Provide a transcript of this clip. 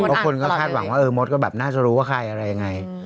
เพราะคนก็คาดหวังว่าเออมดก็แบบน่าจะรู้ว่าใครอะไรยังไง